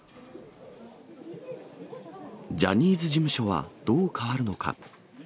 ジャニーズ事務所はどう変わるのか。